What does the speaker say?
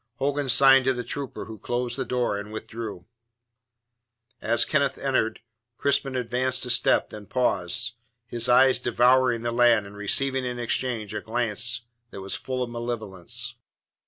Hogan signed to the trooper, who closed the door and withdrew. As Kenneth entered, Crispin advanced a step and paused, his eyes devouring the lad and receiving in exchange a glance that was full of malevolence.